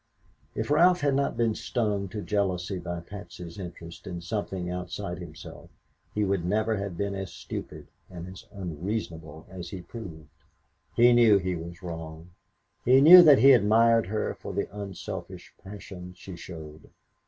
If Ralph had not been stung to jealousy by Patsy's interest in something outside himself he would never have been as stupid and as unreasonable as he proved. He knew he was wrong. He knew that he admired her for the unselfish passion she showed.